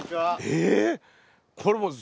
え